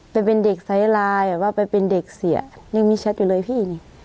ไปเป็นเด็กไซส์ไลน์แบบว่าไปเป็นเด็กเสียยังมีแชทอยู่เลยพี่นี่